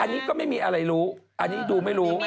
อันนี้ก็ไม่มีอะไรรู้อันนี้ดูไม่รู้